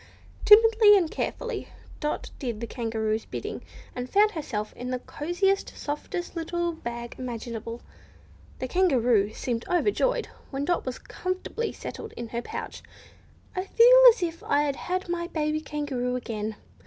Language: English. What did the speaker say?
Timidly and carefully, Dot did the Kangaroo's bidding, and found herself in the cosiest, softest little bag imaginable. The Kangaroo seemed overjoyed when Dot was comfortably settled in her pouch. "I feel as if I had my dear baby kangaroo again!"